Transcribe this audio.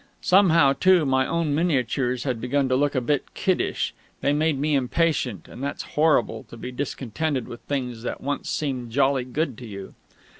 Somehow, too, my own miniatures had begun to look a bit kiddish; they made me impatient; and that's horrible, to be discontented with things that once seemed jolly good to you.